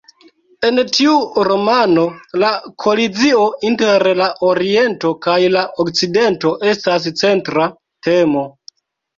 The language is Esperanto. En tiu romano la kolizio inter la Oriento kaj la Okcidento estas centra temo.